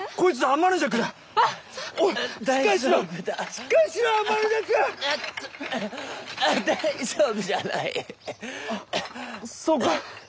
あっそうか。